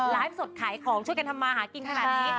ไลฟ์สดขายของช่วยกันทำมาหากินขนาดนี้